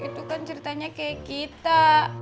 itu kan ceritanya kayak kita